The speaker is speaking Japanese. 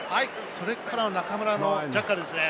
それからの中村のジャッカルですね。